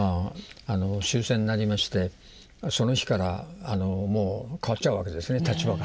終戦になりましてその日からもう変わっちゃうわけですね立場が。